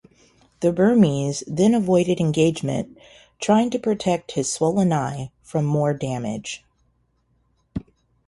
The Burmese then avoided engagement trying to protect his swollen eye from more damage.